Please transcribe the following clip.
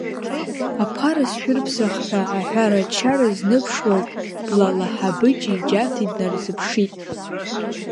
Аԥара сшәырԥсах ҳәа, аҳәара-ачара зныԥшуаз блала Ҳабыџьи Џьаҭи днарзыԥшит.